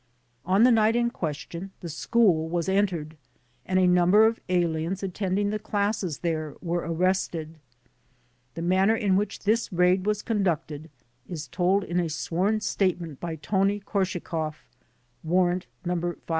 On the night in question the school was entered and a number of aliens attending the classes there were arrested. The manner in which this raid was conducted is told in a sworn statement by Tony Korscheikoflf (Warrant No.